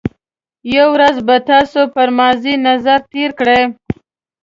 یو ورځ به تاسو پر ماضي نظر تېر کړئ.